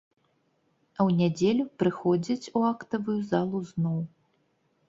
А ў нядзелю прыходзяць у актавую залу зноў.